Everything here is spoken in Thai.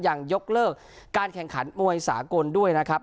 ยังยกเลิกการแข่งขันมวยสากลด้วยนะครับ